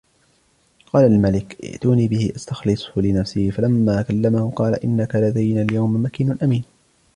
وَقَالَ الْمَلِكُ ائْتُونِي بِهِ أَسْتَخْلِصْهُ لِنَفْسِي فَلَمَّا كَلَّمَهُ قَالَ إِنَّكَ الْيَوْمَ لَدَيْنَا مَكِينٌ أَمِينٌ